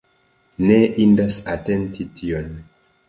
Ne indas atenti tion.